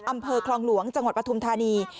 อำเภอคลองหลวงจังหวัดปฐุมธานี